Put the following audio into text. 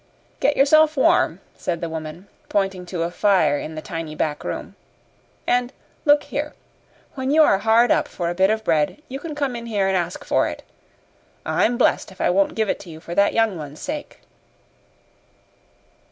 "Get yourself warm," said the woman, pointing to a fire in the tiny back room. "And look here; when you are hard up for a bit of bread, you can come in here and ask for it. I'm blest if I won't give it to you for that young one's sake."